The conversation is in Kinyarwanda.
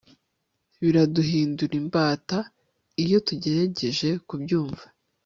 biraduhindura imbata iyo tugerageje kubyumva